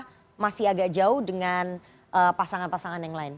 karena masih agak jauh dengan pasangan pasangan yang lain